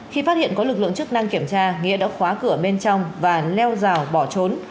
khi phát hiện có lực lượng chức năng kiểm tra nghĩa đã khóa cửa bên trong và leo rào bỏ trốn